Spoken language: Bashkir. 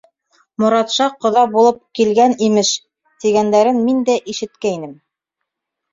— Моратша ҡоҙа булып килгән имеш, тигәндәрен мин дә ишеткәйнем.